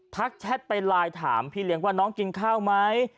แชทไปไลน์ถามพี่เลี้ยงว่าน้องกินข้าวไหม